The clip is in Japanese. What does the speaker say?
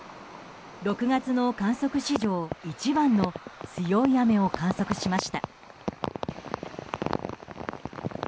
６月の観測史上一番の強い雨を観測しました。